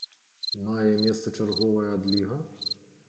Мае месца чарговая адліга?